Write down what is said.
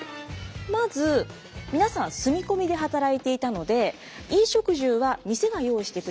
まず皆さん住み込みで働いていたので衣食住は店が用意してくれていました。